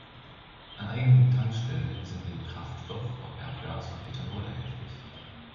An einigen Tankstellen sind neben Kraftstoff auch Erdgas und Ethanol erhältlich.